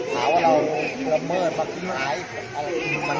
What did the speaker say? สวัสดีครับพี่เบนสวัสดีครับ